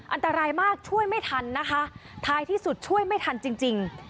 อันตรายมากช่วยไม่ทันนะคะท้ายที่สุดช่วยไม่ทันจริงจริง